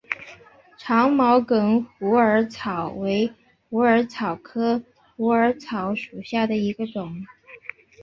长毛梗虎耳草为虎耳草科虎耳草属下的一个种。